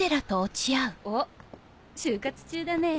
おっ就活中だね。